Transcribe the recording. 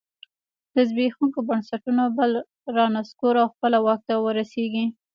له زبېښونکو بنسټونو بل رانسکور او خپله واک ته ورسېږي